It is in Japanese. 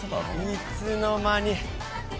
いつの間に。